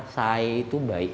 sae itu baik